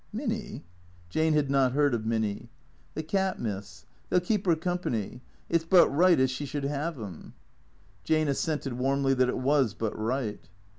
"Minny?" Jane had not heard of Minny. " The cat, miss. They '11 keep 'er company. It 's but right as she should 'ave them." Jane assented warmly that it was but right.